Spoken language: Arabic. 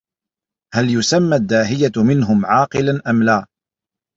هَلْ يُسَمَّى الدَّاهِيَةُ مِنْهُمْ عَاقِلًا أَمْ لَا